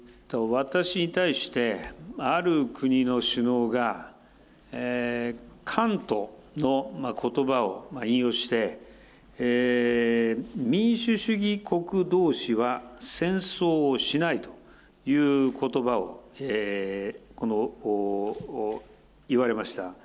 私に対して、ある国の首脳が、カントのことばを引用して、民主主義国どうしは戦争をしないということばを言われました。